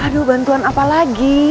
aduh bantuan apa lagi